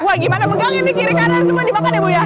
wah gimana pegang ini kiri kanan semua dimakan ya buya